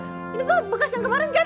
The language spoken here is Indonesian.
ini tuh bekas yang kemarin kan